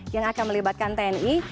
yang akan melibatkan tni